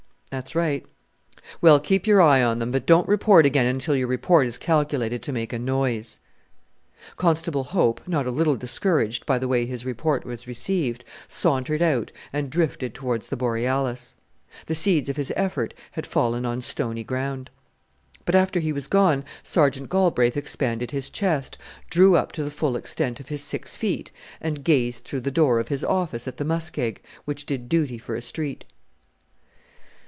"That's right." "Well, keep your eye on them, but don't report again until your report is calculated to make a noise." Constable Hope, not a little discouraged by the way his report was received, sauntered out and drifted towards the Borealis. The seeds of his efforts had fallen on stony ground. But after he was gone Sergeant Galbraith expanded his chest, drew up to the full extent of his six feet, and gazed through the door of his office at the muskeg, which did duty for a street.